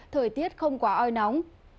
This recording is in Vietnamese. thời tiết không quá oi nóng